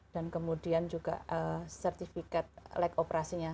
dan kemudian juga sertifikat leg operasinya